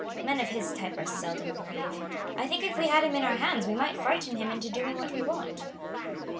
Men of his type are seldom brave. I think if we had him in our hands we might frighten him into doing what we want."